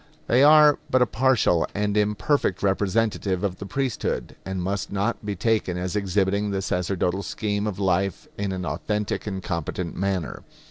They are but a partial and imperfect representative of the priesthood, and must not be taken as exhibiting the sacerdotal scheme of life in an authentic and competent manner.